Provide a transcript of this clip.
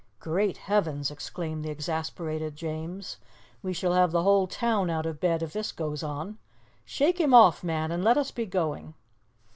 "Great heavens!" exclaimed the exasperated James, "we shall have the whole town out of bed if this goes on! Shake him off, man, and let us be going."